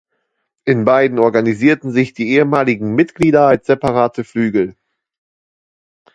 In beiden organisierten sich die ehemaligen Mitglieder als separate Flügel.